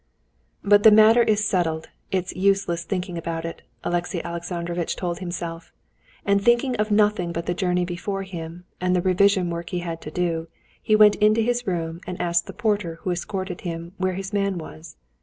"But the matter is settled, it's useless thinking about it," Alexey Alexandrovitch told himself. And thinking of nothing but the journey before him, and the revision work he had to do, he went into his room and asked the porter who escorted him where his man was.